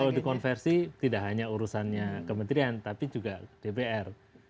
kalau dikonversi tidak hanya urusannya kementerian tapi juga dpr